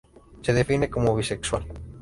Se define como bisexual.